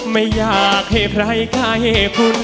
ไม่อยากให้ใครค่าให้คุณ